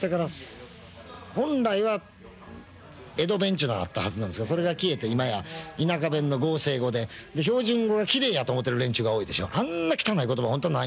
本来は江戸弁っていうのがあったはずなんですがそれが消えて田舎弁の合成語で標準語が奇麗だと思っている連中いるでしょ。